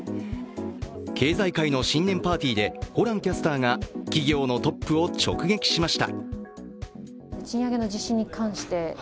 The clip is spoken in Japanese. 経済界の新年パーティーでホランキャスターが企業のトップを直撃しました。